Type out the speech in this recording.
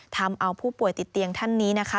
ทำเอาผู้ป่วยติดเตียงท่านนี้นะคะ